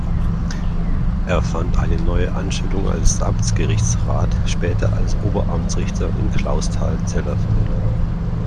Er fand eine neue Anstellung als Amtsgerichtsrat, später als Oberamtsrichter in Clausthal-Zellerfeld.